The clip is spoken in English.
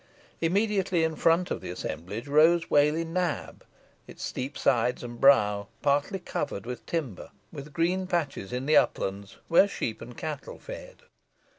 Immediately in front of the assemblage rose Whalley Nab, its steep sides and brow partially covered with timber, with green patches in the uplands where sheep and cattle fed.